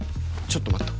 ちょっと待った。